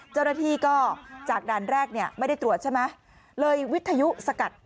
เจ้าหน้าที่ก็จากด่านแรกเนี่ยไม่ได้ตรวจใช่ไหมเลยวิทยุสกัด